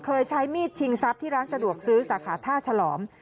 ใช้มีดชิงทรัพย์ที่ร้านสะดวกซื้อสาขาท่าฉลอม